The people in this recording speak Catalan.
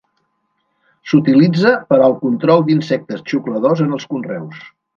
S'utilitza per al control d'insectes xucladors en els conreus.